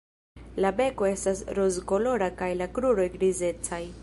La beko estas rozkolora kaj la kruroj grizecaj.